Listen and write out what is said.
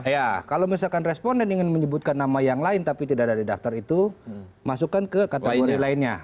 ya kalau misalkan responden ingin menyebutkan nama yang lain tapi tidak ada di daftar itu masukkan ke kategori lainnya